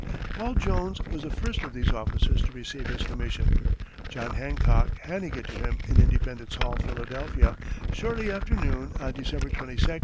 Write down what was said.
Paul Jones was the first of these officers to receive his commission, John Hancock handing it to him in Independence Hall, Philadelphia, shortly after noon on December 22, 1775.